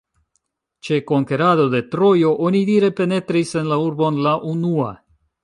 Ĉe konkerado de Trojo onidire penetris en la urbon la unua.